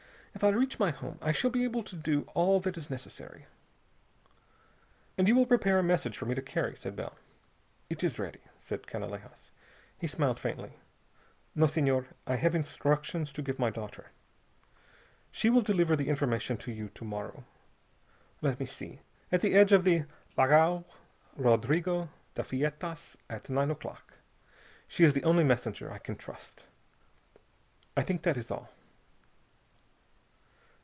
If I reach my home I shall be able to do all that is necessary." "And you will prepare a message for me to carry," said Bell. "It is ready," said Canalejas. He smiled faintly. "No, Senhor. I have instructions to give my daughter. She will deliver the information to you to morrow. Let me see. At the edge of the Lagao Rodrigo de Feitas, at nine o'clock. She is the only messenger I can trust. I think that is all."